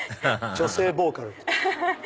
女性ボーカル。